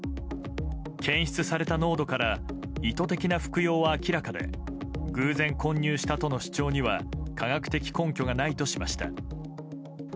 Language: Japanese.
検出された濃度から意図的な服用は明らかで偶然、混入したとの主張には科学的根拠がないとしました。